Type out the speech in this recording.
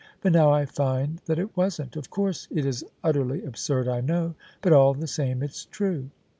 But now I find that it wasn't. Of course it is utterly absurd, I know: but all the same it's true."